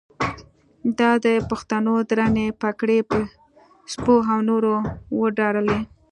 تا د پښتنو درنې پګړۍ په سپو او نورو وداړلې.